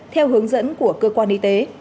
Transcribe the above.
theo hướng dẫn của cơ quan y tế